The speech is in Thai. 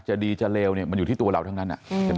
จะดีจะเลวเนี่ยมันอยู่ที่ตัวเราทั้งนั้น